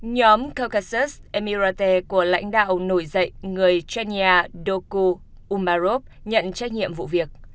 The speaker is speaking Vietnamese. nhóm caucasus emirate của lãnh đạo nổi dậy người chania doko umbarov nhận trách nhiệm vụ việc